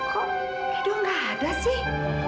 kok hidung gak ada sih